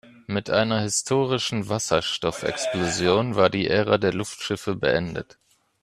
Mit einer historischen Wasserstoffexplosion war die Ära der Luftschiffe beendet.